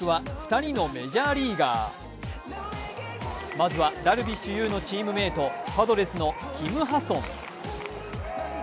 まずはダルビッシュ有のチームメートパドレスのキム・ハソン。